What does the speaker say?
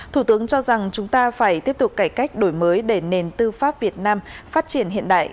thủ tướng cho rằng chúng ta phải tiếp tục cải cách đổi mới để nền tư pháp việt nam phát triển hiện đại